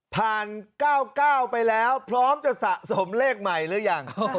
พันเก้าเก้าไปแล้วพร้อมจะสะสมเลขใหม่หรือยัง